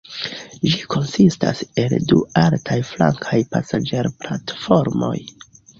Ĝi konsistas el du altaj flankaj pasaĝerplatformoj.